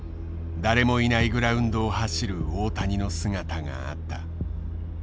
誰もいないグラウンドを走る大谷の姿があった。